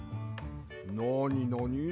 なになに？